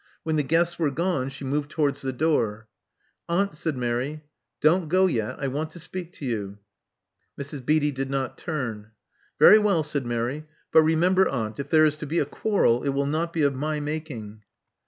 When the guests were gone, she moved towards the door. Aunt, said Mary, don't go yet I want to speak to you.'* Mrs. Beatty did not turn. *' Very well," said Mary. But remember, aunt, if there is to be a quarrel, it will not be of my making."